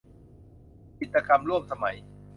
จิตรกรรมร่วมสมัย